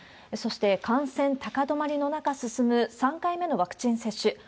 そして、感染高止まりの中、進む、３回目のワクチン接種。